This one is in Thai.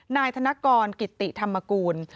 นายธนกรกิติธรรมกูล